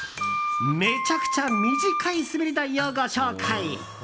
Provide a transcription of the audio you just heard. めちゃくちゃ短い滑り台をご紹介。